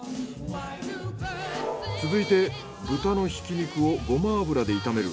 続いて豚のひき肉をごま油で炒める。